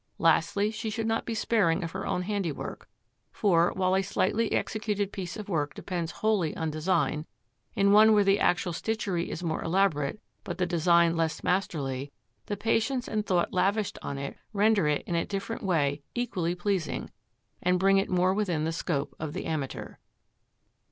Lastly, she should not be sparing of her own handiwork, for, while a slightly executed piece of work depends wholly on design, in one where the actual stitchery is more elaborate, but the design less masterly, the patience and thought lavished on it render it in a different way equally pleasing, and bring it more within the scope of the amateur.